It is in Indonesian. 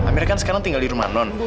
amerika kan sekarang tinggal di rumah non